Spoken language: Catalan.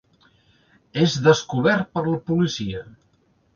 És descobert per la policia.